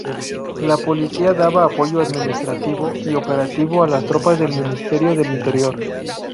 La policía daba apoyo administrativo y operativo a las tropas del Ministerio del Interior.